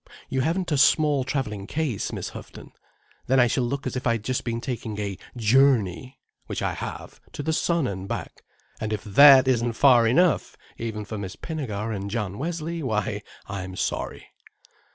You haven't a small travelling case, Miss Houghton? Then I shall look as if I'd just been taking a journey. Which I have—to the Sun and back: and if that isn't far enough, even for Miss Pinnegar and John Wesley, why, I'm sorry."